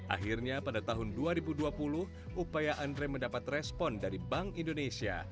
akhirnya pada tahun dua ribu dua puluh upaya andre mendapat respon dari bank indonesia